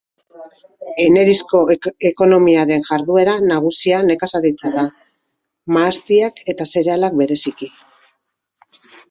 Enerizko ekonomiaren jarduera nagusia nekazaritza da, mahastiak eta zerealak bereziki.